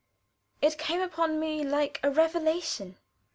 It came upon me like a revelation.